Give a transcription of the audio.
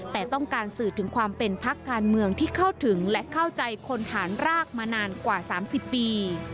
แต่ต้องการสื่อถึงความเป็นพักการเมืองที่เข้าถึงและเข้าใจคนฐานรากมานานกว่า๓๐ปี